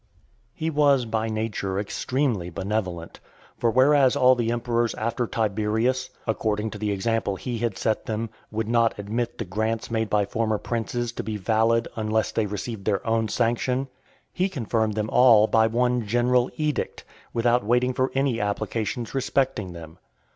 (471) VIII. He was by nature extremely benevolent; for whereas all the emperors after Tiberius, according to the example he had set them, would not admit the grants made by former princes to be valid, unless they received their own sanction, he confirmed them all by one general edict, without waiting for any applications respecting them.